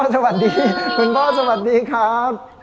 สวัสดีคุณพ่อสวัสดีครับ